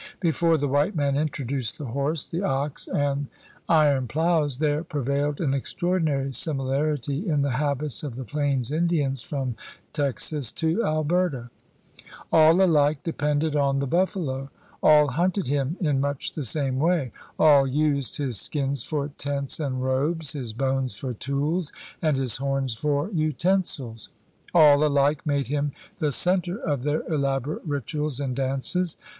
Before the white man introduced the horse, the ox, and ' D. G. Brinton, The American Race, pp. 103 4. THE FORM OF THE CONTINENT 45 irdn ploughs, there prevailed an extraordinary simi larity in the habits of the plains Indians from Texas to Alberta. All alike depended on the buffalo; all hunted him in much the same way; all used his skins for tents and robes, his bones for tools, and" his horns for utensils. All alike made him the center of their elaborate rituals and dances.